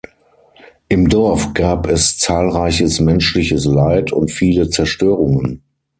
Im Dorf gab es zahlreiches menschliches Leid und viele Zerstörungen.